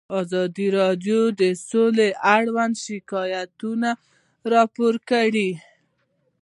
ازادي راډیو د سوله اړوند شکایتونه راپور کړي.